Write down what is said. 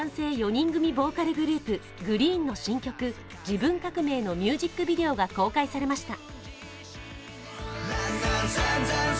４人組ボーカルグループ、ＧＲｅｅｅｅＮの新曲、「自分革命」のミュージックビデオが公開されました。